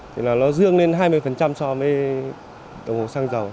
thì là nó dương lên hai mươi so với đồng hồ xăng dầu